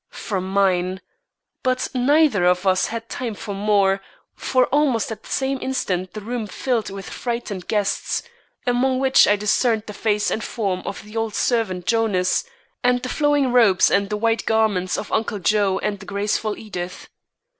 from mine; but neither of us had time for more, for almost at the same instant the room filled with frightened guests, among which I discerned the face and form of the old servant Jonas, and the flowing robes and the white garments of Uncle Joe and the graceful Edith.